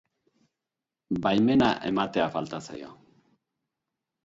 Baimena ematea falta zaio.